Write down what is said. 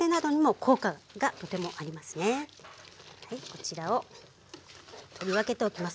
こちらを取り分けておきます。